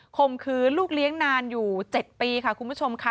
คมคืนลูกเลี้ยงนานอยู่๗ปีค่ะคุณผู้ชมค่ะ